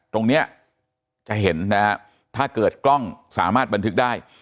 ตรงนี้จะเห็นนะฮะถ้าเกิดกล้องสามารถบันทึกได้